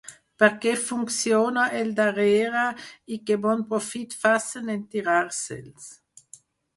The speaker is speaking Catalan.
Perquè funcione el darrere i que bon profit facen en tirar-se'ls.